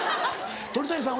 鳥谷さん